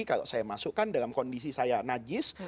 kalau saya masukkan dalam kondisi saya najis